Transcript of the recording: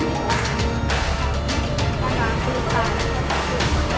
oh ini gak ada